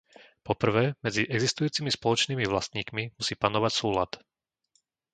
Po prvé, medzi existujúcimi spoločnými vlastníkmi musí panovať súlad.